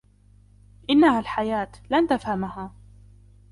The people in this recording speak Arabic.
إنها الحياة لن تفهمها.